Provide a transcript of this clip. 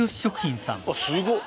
あっすごっ。